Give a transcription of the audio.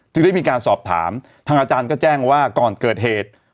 ได้มีการสอบถามทางอาจารย์ก็แจ้งว่าก่อนเกิดเหตุ